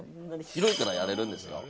広いからやれるんですよ。